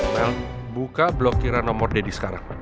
mel buka blok kira nomor deddy sekarang